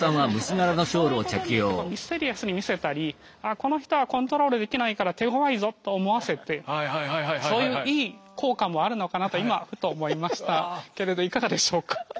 そういうことによってミステリアスに見せたりああこの人はコントロールできないから手ごわいぞと思わせてそういういい効果もあるのかなと今ふと思いましたけれどいかがでしょうか？